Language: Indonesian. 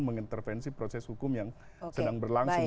mengintervensi proses hukum yang sedang berlangsung